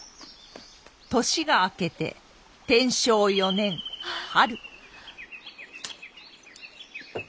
年が明けて天正四年春。